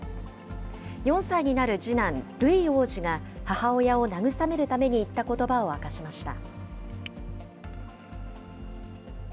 ４歳になる次男、ルイ王子が母親を慰めるために言ったことばを明かしました。